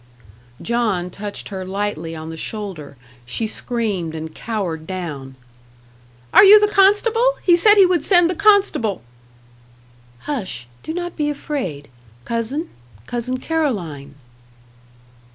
John touched her lightly on the shoulder she screamed and cowered down. "Are you the constable? He said he would send the constable." "Hush do not be afraid. Cousin Cousin Caroline."